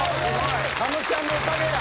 狩野ちゃんのおかげや。